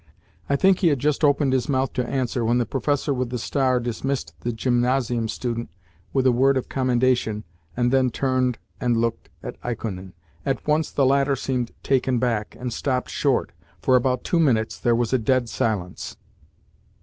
I think he had just opened his mouth to answer when the professor with the star dismissed the gymnasium student with a word of commendation, and then turned and looked at Ikonin. At once the latter seemed taken back, and stopped short. For about two minutes there was a dead silence.